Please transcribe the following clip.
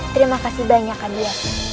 terima kasih banyak anja